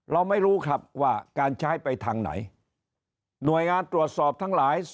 เราไม่รู้ครับว่าการใช้ไปทางไหนหน่วยงานตรวจสอบทั้งหลาย